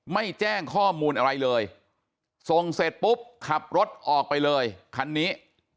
ไม่แจ้งข้อมูลอะไรเลยส่งเสร็จปุ๊บขับรถออกไปเลยคันนี้